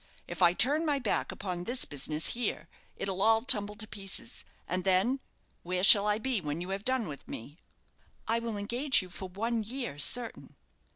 If I turn my back upon this business here, it'll all tumble to pieces, and then, where shall I be when you have done with me?" "I will engage you for one year, certain."